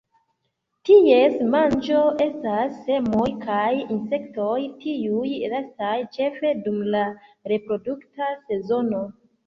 Ties manĝo estas semoj kaj insektoj, tiuj lastaj ĉefe dum la reprodukta sezono.